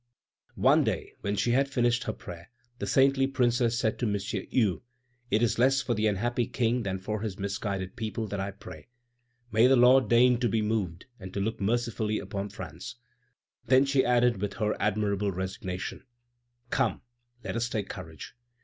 One day when she had finished her prayer, the saintly Princess said to M. Hue: "It is less for the unhappy King than for his misguided people that I pray. May the Lord deign to be moved, and to look mercifully upon France!" Then she added, with her admirable resignation: "Come, let us take courage.